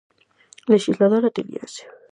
Lexislador ateniense.